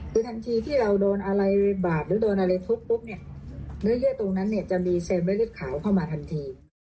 คือทันทีที่เราโดนอะไรบาปหรือโดนอะไรทุบปุ๊บเนี่ยเนื้อเยื่อตรงนั้นเนี่ยจะมีเซลล์เลือดขาวเข้ามาทันที